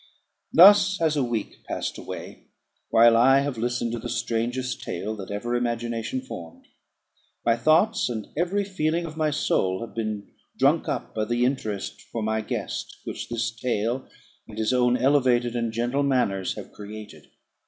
Thus has a week passed away, while I have listened to the strangest tale that ever imagination formed. My thoughts, and every feeling of my soul, have been drunk up by the interest for my guest, which this tale, and his own elevated and gentle manners, have created.